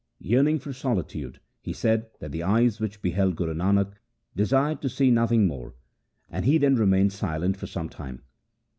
Yearning for solitude, he said that the eyes which beheld Guru Nanak desired to see nothing more, and he then remained silent for some time.